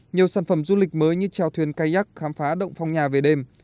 nhiều sản phẩm du lịch mới như treo thuyền kayak khám phá động phong nha về đêm